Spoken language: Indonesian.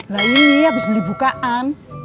lah ini abis beli bukaan